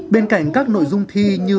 bên cạnh các nội dung thi như